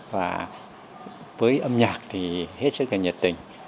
và với âm nhạc thì hết sức là nhật tình